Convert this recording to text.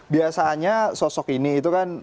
biasanya sosok ini itu kan